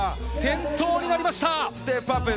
転倒になりました。